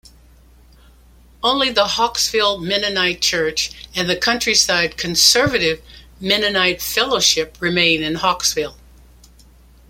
Only the Hawkesville Mennonite Church and the Countryside Conservative Mennonite Fellowship remain in Hawkesville.